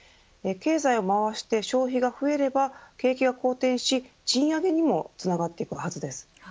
経済を回して消費が増えれば景気は好転し賃上げにも繋がっていくはずです。